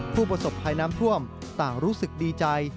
ผู้ประสบภัยน้ำท่วมต่างรู้สึกดีใจ